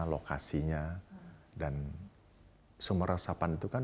lokasinya dan sumber resapan itu kan